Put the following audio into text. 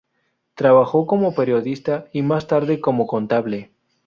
Trabajó como periodista y, más tarde, como contable.